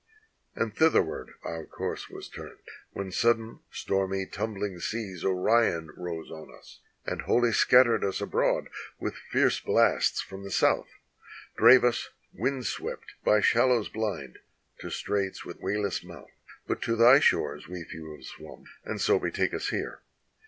And thitherward our course was turned, When sudden, stormy, tumbHng seas, Orion rose on us, And wholly scattered us abroad with fierce blasts from the south, Drave us, wind swept, by shallows bHnd, to straits with wayless mouth: But to thy shores we few have swimi, and so betake us here.